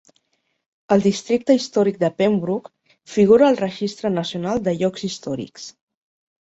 El districte històric de Pembroke figura al Registre Nacional de Llocs Històrics.